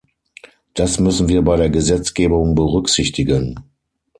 Das müssen wir bei der Gesetzgebung berücksichtigen.